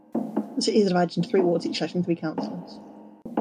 The city is divided into three wards, each electing three councillors.